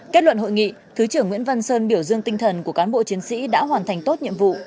kết luận hội nghị thứ trưởng nguyễn văn sơn biểu dương tinh thần của cán bộ chiến sĩ đã hoàn thành tốt nhiệm vụ